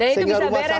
sehingga rumah sakit